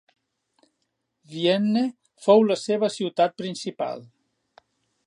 Vienne fou la seva ciutat principal.